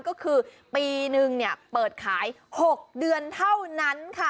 ก็คือปีนึงเปิดขาย๖เดือนเท่านั้นค่ะ